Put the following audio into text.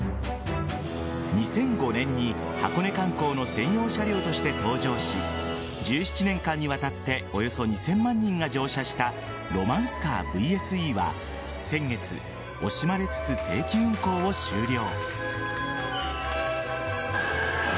２００５年に箱根観光の専用車両として登場し１７年間にわたっておよそ２０００万人が乗車したロマンスカー・ＶＳＥは先月、惜しまれつつ定期運行を終了。